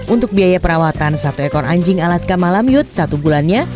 untuk biaya perawatan satu ekor anjing alaska malam yut satu bulannya